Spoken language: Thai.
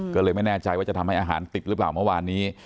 ก็เลยไม่แน่ใจว่าจะทำให้อาหารติดหรือเปล่าเมื่อวานนี้